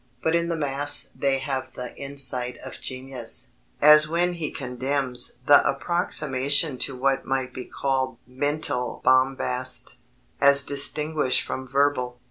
But in the mass they have the insight of genius, as when he condemns "the approximation to what might be called mental bombast, as distinguished from verbal."